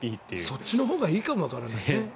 そっちのほうがいいかもわからないね。